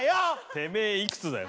てめえいくつだよ。